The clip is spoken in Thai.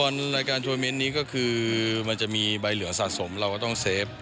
รายการนี้ก็คือมันจะมีใบเหลืองสะสมเราต้องเสร็จ